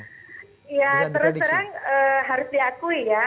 ya terus terang harus diakui ya